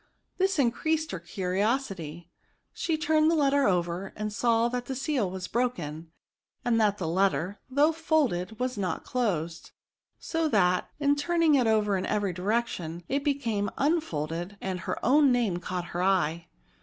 This increased her cu riosity • She turned the letter over, and saw that the seal was broken, and that the letter, though folded, was not closed ; so that, in turn ing it over in every direction, it became un folded, and her own name caught her eye.